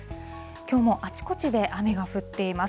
きょうもあちこちで雨が降っています。